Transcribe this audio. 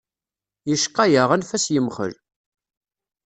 Yecqa-yaɣ anef-as yemxel.